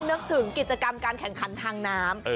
นึกถึงกิจกรรมการแข่งขันทางน้ำ